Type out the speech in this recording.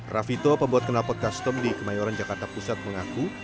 raffito pembuat kenalpot custom di kemayoran jakarta pusat mengaku